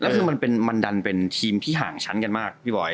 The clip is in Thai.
แล้วคือมันดันเป็นทีมที่ห่างชั้นกันมากพี่บอย